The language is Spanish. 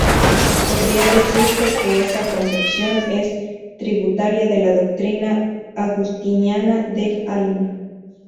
Podría decirse que esa concepción es tributaria de la doctrina agustiniana del alma.